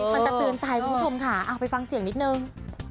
ก็ตัดเตือนใตรทุงคุณคุณค่ะเอาไปฟังเสียงนิดนึง